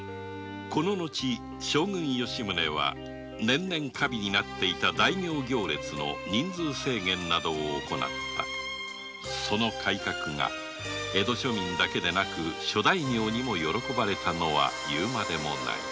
この後吉宗は年々華美となる大名行列の人数制限を行ったその改革が江戸庶民だけでなく諸大名にも喜ばれたのは言うまでもない